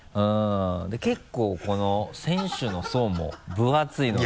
で結構この選手の層も分厚いので。